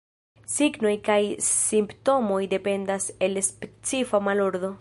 Signoj kaj simptomoj dependas el specifa malordo.